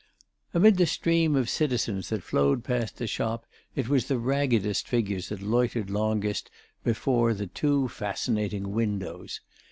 Amid the stream of citizens that flowed past the shop it was the raggedest figures that loitered longest before the two fascinating windows.